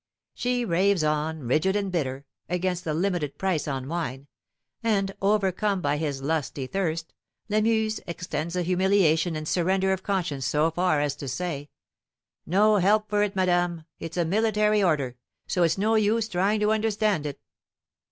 She raves on, rigid and bitter, against the limited price on wine; and, overcome by his lusty thirst, Lamuse extends the humiliation and surrender of conscience so far as to say, "No help for it, madame! It's a military order, so it's no use trying to understand it."